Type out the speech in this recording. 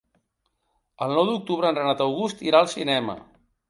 El nou d'octubre en Renat August irà al cinema.